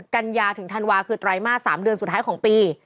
กัญญาถึงธันวาคือไตรมาส๓เดือนสุดท้ายของปี